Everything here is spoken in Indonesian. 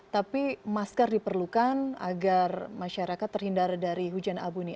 tapi masker diperlukan agar masyarakat terhindar dari hujan abu ini